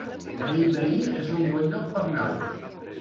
Bellvei es un bon lloc per anar-hi